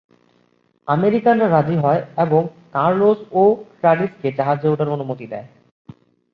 আমেরিকানরা রাজি হয় এবং কার্লোস ও ট্রাভিসকে জাহাজে ওঠার অনুমতি দেয়।